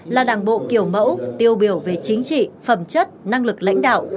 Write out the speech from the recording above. là đảng bộ kiểu mẫu tiêu biểu về chính trị phẩm chất năng lực lãnh đạo